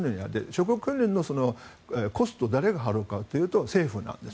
職業訓練のコストを誰が払うかというと政府なんです。